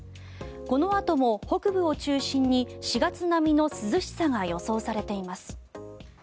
このあとも北部を中心に４月並みの涼しさが予想されています。